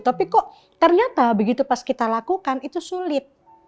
tapi kok ternyata begitu pas kita lakukan itu sulit